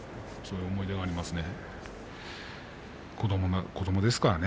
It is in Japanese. そういう思い出がありますね。